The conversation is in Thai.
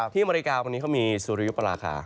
อเมริกาวันนี้เขามีสุริยุปราคา